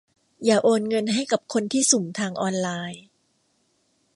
อย่าโอนเงินให้กับคนที่สุ่มทางออนไลน์